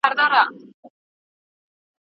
ماسک اچول له ګرد څخه ساتنه کوي.